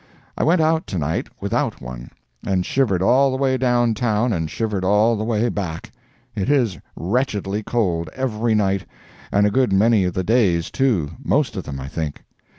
I went out to night without one, and shivered all the way downtown and shivered all the way back. It is wretchedly cold every night, and a good many of the days, too—most of them, I think.